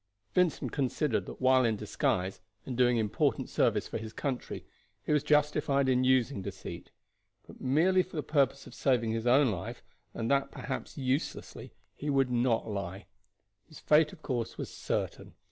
Vincent considered that while in disguise, and doing important service for his country, he was justified in using deceit; but merely for the purpose of saving his own life, and that perhaps uselessly, he would not lie. His fate, of course, was certain.